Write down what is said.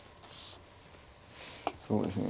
そうですね